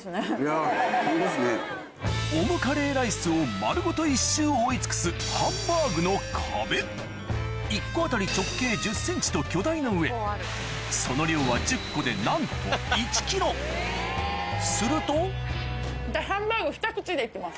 オムカレーライスを丸ごと１周覆い尽くす１個当たり直径１０ｃｍと巨大な上その量はなんとするとハンバーグ２口で行きます。